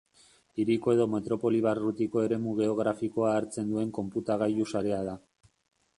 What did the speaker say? Hiriko edo metropoli-barrutiko eremu geografikoa hartzen duen konputagailu-sarea da.